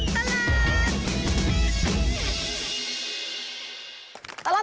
ชั่วตลอดตลาด